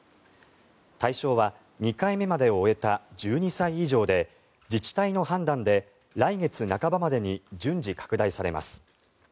対象は２回目までを終えた１２歳以上で自治体の判断で、来月半ばまでに順次拡大されます。